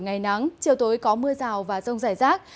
ngày nắng chiều tối có mưa rào và rông rải rác